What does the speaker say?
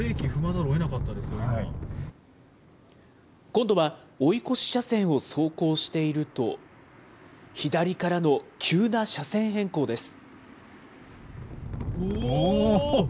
今度は追い越し車線を走行していると、左からの急な車線変更です。